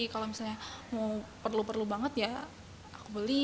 kalau misalnya mau perlu perlu banget ya aku beli